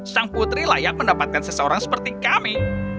sang putri layak mendapatkan seseorang seperti kami